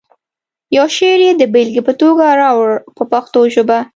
یو شعر یې د بېلګې په توګه راوړو په پښتو ژبه.